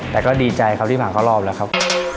แต่ก็ดีใจครับที่มาเข้ารอบแล้วครับ